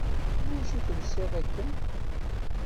Iwacu telsiḍ akken?